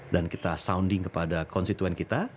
dan kita sounding kepada konstituen kita